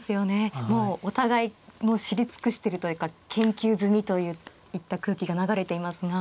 もうお互い知り尽くしてるというか研究済みといった空気が流れていますが。